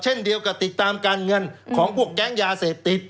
เช่นเดียวกับติดตามการเงินของพวกแก๊งยาเสพติด